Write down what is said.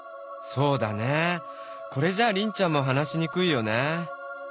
そうだねこれじゃあリンちゃんも話しにくいよね。